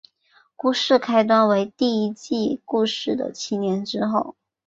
故事开端为第一季故事的七年之后。